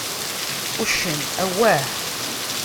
Uccen: Awah!